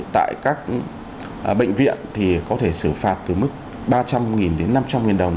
tại các bệnh viện thì có thể xử phạt từ mức ba trăm linh đến năm trăm linh đồng